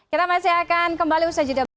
kita masih akan kembali usai jd